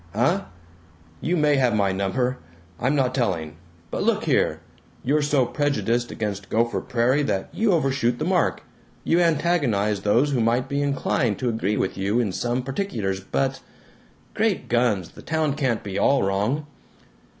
"Huh! You may have my number. I'm not telling. But look here: You're so prejudiced against Gopher Prairie that you overshoot the mark; you antagonize those who might be inclined to agree with you in some particulars but Great guns, the town can't be all wrong!"